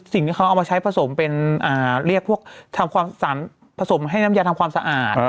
สิ่งที่เขาเอามาใช้ผสมเป็นเรียกพวกทำความผสมให้น้ำยาทำความสะอาด